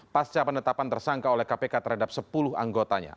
pasca penetapan tersangka oleh kpk terhadap sepuluh anggotanya